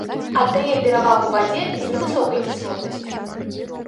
Аддае перавагу вадзе з невысокай кіслотнасцю.